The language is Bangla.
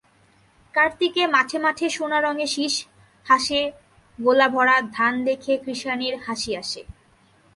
কার্তিকে মাঠে মাঠে সোনা রঙে শিষ হাসেগোলাভরা ধান দেখে কৃষাণির হাসি আসে।